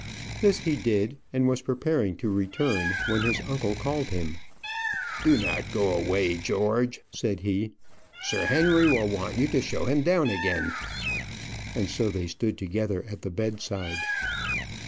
This he did, and was preparing to return, when his uncle called him. "Do not go away, George," said he. "Sir Henry will want you to show him down again." And so they stood together at the bedside.